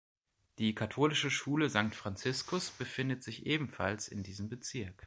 Die Katholische Schule St. Franziskus befindet sich ebenfalls in diesem Bezirk.